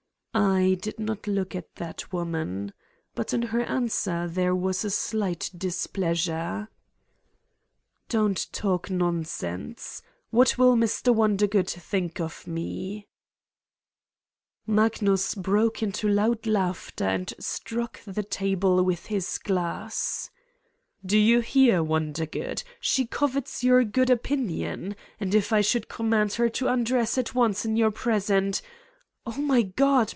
I did not look at that woman. But in her answer there was a slight displeasure : "Don't talk nonsense. What will Mr. Wonder good think of me?" 243 Satan's Diary Magnus broke into loud laughter and struck the table with is glass : "Do your hear, Wondergood? She covets your good opinion. And if I should command her to undress at once in your presence. ..." "Oh, my God!